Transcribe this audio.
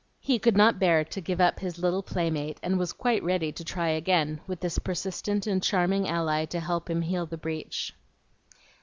He could not bear to give up his little playmate, and was quite ready to try again, with this persistent and charming ally to help him heal the breach.